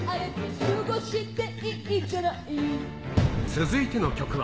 続いての曲は。